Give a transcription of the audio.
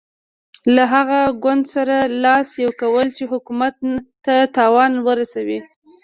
له هغه ګوند سره لاس یو کول چې حکومت ته تاوان ورسوي.